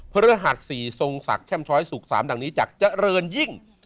ฤหัส๔ทรงศักดิ์แช่มช้อยสุข๓ดังนี้จากเจริญยิ่ง